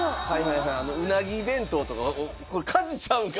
うなぎ弁当とかこれ火事ちゃうんか！？